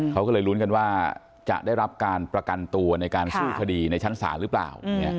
เขาก็เลยลุ้นกันว่าจะได้รับการประกันตัวในการสู้คดีในชั้นศาลหรือเปล่า